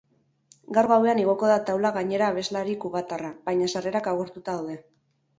Gaur gauean igoko da taula gainera abeslari kubatarra, baina sarrerak agortuta daude.